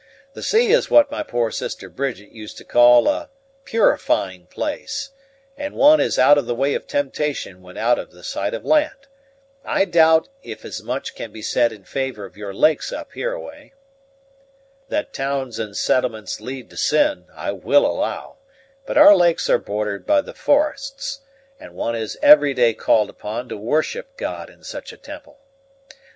The sea is what my poor sister Bridget used to call a 'purifying place,' and one is out of the way of temptation when out of sight of land. I doubt if as much can be said in favor of your lakes up hereaway." "That towns and settlements lead to sin, I will allow; but our lakes are bordered by the forests, and one is every day called upon to worship God in such a temple.